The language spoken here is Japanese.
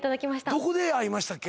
どこで会いましたっけ？